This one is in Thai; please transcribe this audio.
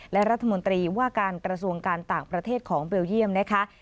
และรัฐมนตรีว่าการกระทรวงการต่างประเทศของเบลเยี่ยมนะคะ